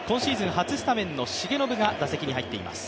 初スタメンの重信が打席に入っています。